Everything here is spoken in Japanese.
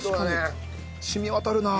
染み渡るなあ。